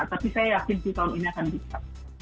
tapi saya yakin sih tahun ini akan buka